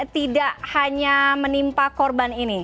tidak hanya menimpa korban ini